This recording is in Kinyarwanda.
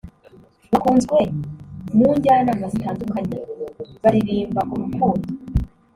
bakunzwe munjyana zitandukanye baririmba urukundo